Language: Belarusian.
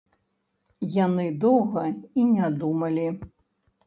Яны доўга і не думалі.